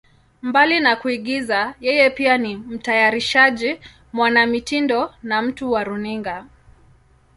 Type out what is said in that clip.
Mbali na kuigiza, yeye pia ni mtayarishaji, mwanamitindo na mtu wa runinga.